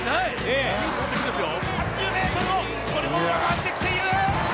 ８０ｍをこれも上回ってきている！